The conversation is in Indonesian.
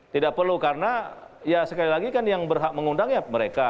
tidak perlu karena ya sekali lagi kan yang berhak mengundang ya mereka